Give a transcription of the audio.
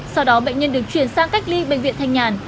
sau đó bệnh nhân được chuyển sang cách ly bệnh viện thanh nhàn